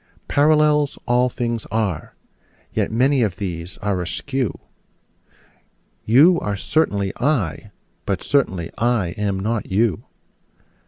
Parallels all things are: yet many of these are askew: You are certainly I: but certainly I am not you.